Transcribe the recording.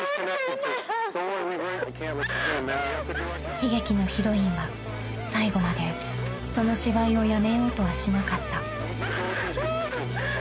［悲劇のヒロインは最後までその芝居をやめようとはしなかった］